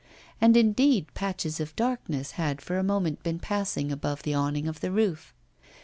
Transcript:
And, indeed, patches of darkness had for a moment been passing above the awning of the roof.